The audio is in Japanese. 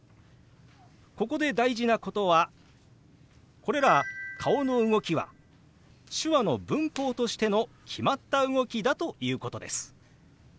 ここで大事なことはこれら顔の動きは手話の文法としての決まった動きだということです。